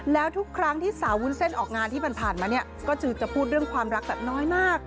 แล้วทุกครั้งที่สาวออกงานที่ผ่านมาก็จะพูดเรื่องความรักแต่น้อยมาก